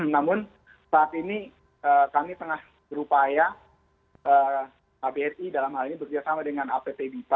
namun saat ini kami tengah berupaya absi dalam hal ini berjasama dengan apt bipa